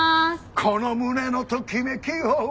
「この胸のときめきを」